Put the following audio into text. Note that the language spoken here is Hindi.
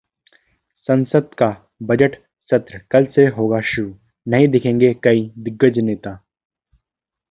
संसद का बजट सत्र कल से होगा शुरू, नहीं दिखेंगे कई दिग्गज नेता